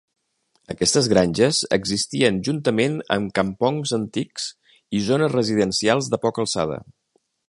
Aquestes granges existien juntament amb kampongs antics i zones residencials de poca alçada.